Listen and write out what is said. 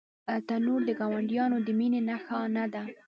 تنور د ګاونډیانو د مینې نښانه ده